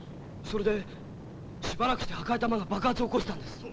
それでしばらくして赤い玉が爆発を起こしたんです。